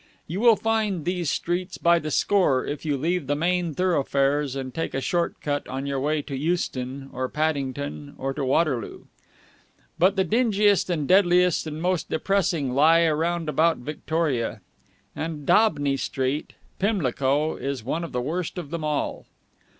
You will find these streets by the score if you leave the main thoroughfares and take a short cut on your way to Euston, to Paddington, or to Waterloo. But the dingiest and deadliest and most depressing lie round about Victoria. And Daubeny Street, Pimlico, is one of the worst of them all.